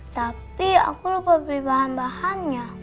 tapi aku lupa beli bahan bahannya